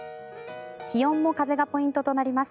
気温も風がポイントとなります。